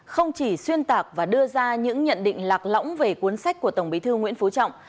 không chỉ xuyên tạc và đưa ra những nhận định lạc lõng về cuốn sách của tổng bí thư nguyễn phú trọng